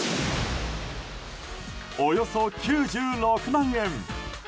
およそ９６万円！